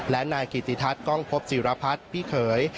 และนายกิติทัศน์กล้องพบจิรพัฒน์พี่เขย